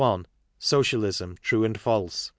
Socialism: True and False.